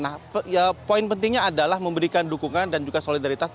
nah poin pentingnya adalah memberikan dukungan dan juga solidaritas